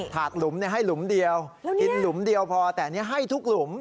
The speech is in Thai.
ถาดหลุมให้หลุมเดียวกินหลุมเดียวพอแต่อันนี้ให้ทุกหลุม